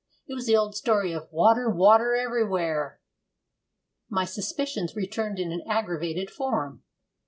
It was the old story of 'water, water everywhere!' My suspicions returned in an aggravated form.